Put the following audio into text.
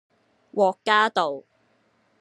獲嘉道